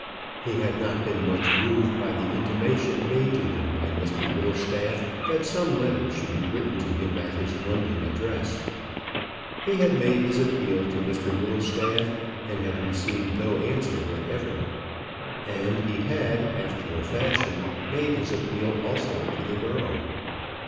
He had not been much moved by the intimation made to him by Mr Whittlestaff that some letter should be written to him at his London address. He had made his appeal to Mr Whittlestaff, and had received no answer whatever. And he had, after a fashion, made his appeal also to the girl.